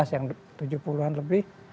yang tahun dua ribu enam belas tujuh puluh an lebih